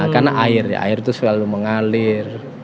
karena air ya air itu selalu mengalir